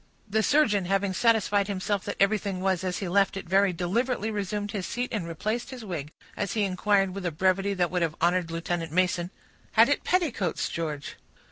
The surgeon, having satisfied himself that everything was as he had left it, very deliberately resumed his seat and replaced his wig, as he inquired, with a brevity that would have honored Lieutenant Mason,— "Had it petticoats, George?"